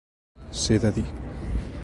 Ser de dir.